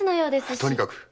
とにかく！